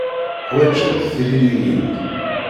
Ḥwajent tiririyin.